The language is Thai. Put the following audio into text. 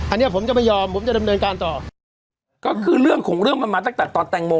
อันนี้ผมจะไม่ยอมผมจะดำเนินการต่อก็คือเรื่องของเรื่องมันมาตั้งแต่ตอนแตงโม